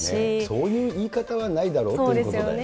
そういう言い方はないだろうそうですよね。